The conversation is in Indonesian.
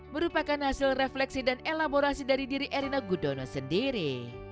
merupakan hasil refleksi dan elaborasi dari diri erina gudono sendiri